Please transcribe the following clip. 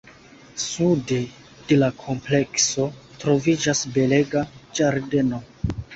Sude de la komplekso troviĝas belega ĝardeno.